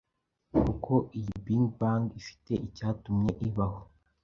kuko iyo big bang ifite icyatumye ibaho